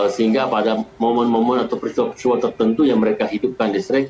sehingga pada momen momen atau persoalan tertentu yang mereka hidupkan listrik